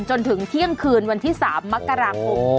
จนถึงเที่ยงคืนวันที่๓มกราคม